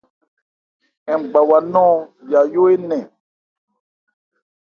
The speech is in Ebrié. Ngbawa nɔn yayó énɛn.